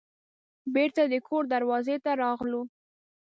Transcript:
بیرته د کور دروازې ته راغلو.